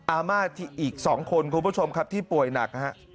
อาม่าที่อีก๒คนคุณผู้ชมครับที่ป่วยหนักนะฮะ